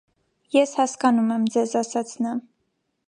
- Ես հասկանում եմ ձեզ,- ասաց Նա: